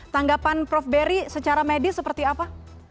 tanggapan prof berry secara medis seperti apa